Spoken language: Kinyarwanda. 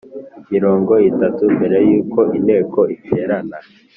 mirongo itatu mbere yuko inteko iterana